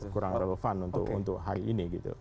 kurang relevan untuk hari ini gitu